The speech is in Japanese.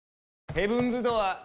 ヘブンズ・ドアー。